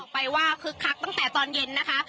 ไปว่าคึกคักตั้งแต่ตอนเย็นนะคะ